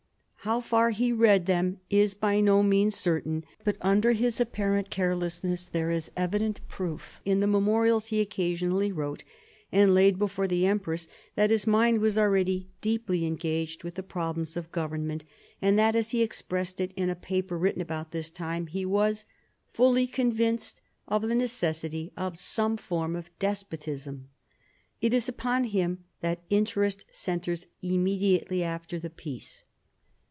How far he read them is by no means certain, but under his apparent carelessness there is evident proof in the memorials he occasionally wrote, and laid before the empress, that his mind was already deeply engaged with the problems of government, and that, as he expressed it in a paper written about this time, he was "fully convinced of the necessity of some form of despotism. " It is upon him that interest centres immediately after the peace.